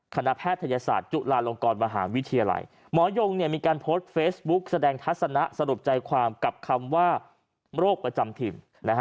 แพทยศาสตร์จุฬาลงกรมหาวิทยาลัยหมอยงมีการโพสต์เฟซบุ๊กแสดงทัศนะสรุปใจความกับคำว่าโรคประจำถิ่น